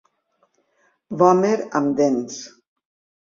Vòmer amb dents.